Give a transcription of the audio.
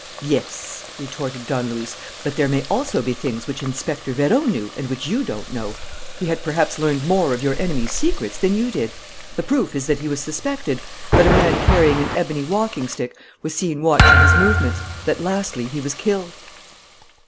"Yes," retorted Don Luis, "but there may also be things which Inspector Vérot knew and which you don't know. He had perhaps learned more of your enemies' secrets than you did. The proof is that he was suspected, that a man carrying an ebony walking stick was seen watching his movements, that, lastly, he was killed."